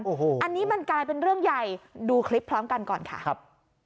โอ้โหอันนี้มันกลายเป็นเรื่องใหญ่ดูคลิปพร้อมกันก่อนค่ะครับ